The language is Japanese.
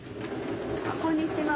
こんにちは。